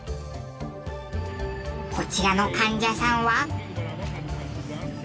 こちらの患者さんは。